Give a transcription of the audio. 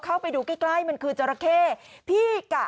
เข้าไปดูใกล้ใกล้มันคือเจราะเทพี่กะ